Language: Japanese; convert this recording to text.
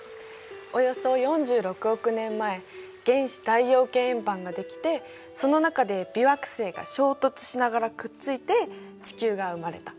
およそ４６億年前原始太陽系円盤ができてその中で微惑星が衝突しながらくっついて地球が生まれた。